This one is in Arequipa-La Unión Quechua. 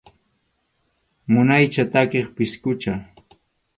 Munaycha takiq pisqucha.